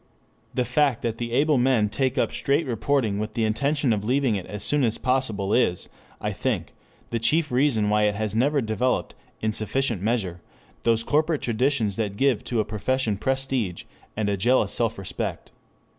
The fact that the able men take up "straight reporting" with the intention of leaving it as soon as possible is, I think, the chief reason why it has never developed in sufficient measure those corporate traditions that give to a profession prestige and a jealous self respect.